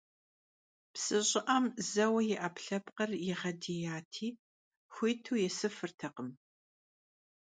Psı ş'ı'em zeue yi 'epkhlhepkhır yiğediyati, xuntu yêsıfırtekhım.